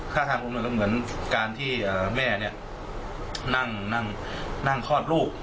ท่าทางครูกำเนิดมันเหมือนการที่แม่นี่นั่งนั่งนั่งคลอดลูก